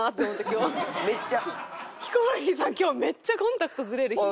今日めっちゃコンタクトずれる日。